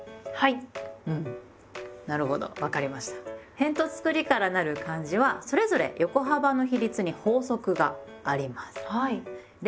へんとつくりからなる漢字はそれぞれ横幅の比率に法則があります。